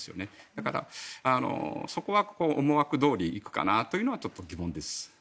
だから、そこは思惑どおりに行くかなというのはちょっと疑問です。